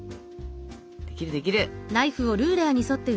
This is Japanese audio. できるできる。